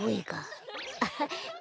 アハッ！